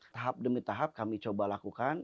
tahap demi tahap kami coba lakukan